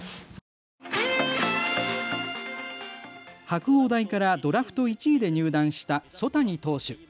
白鴎大からドラフト１位で入団した曽谷投手。